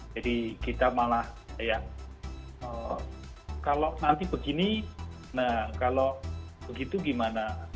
jadi kita malah kalau nanti begini nah kalau begitu gimana